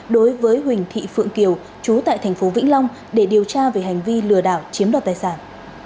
đối với huỳnh thị phượng kiều chú tại thành phố vĩnh long để điều tra về hành vi lừa đảo chiếm đoạt tài sản